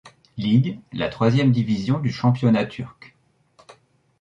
Lig, la troisième division du championnat turc.